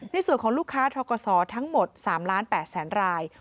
ในส่วนของลูกค้าทกศทั้งหมด๓๘๐๐๐ราย